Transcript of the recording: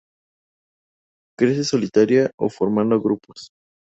Crece solitaria o formando grupos.